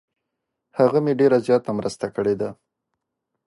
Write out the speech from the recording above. هغه مې ډیر زیاته مرسته کړې ده.